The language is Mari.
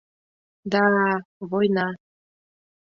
— Да-а, война!